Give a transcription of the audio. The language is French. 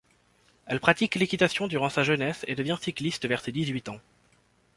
Elle pratique l'équitation durant sa jeunesse et devient cycliste vers ses dix-huit ans.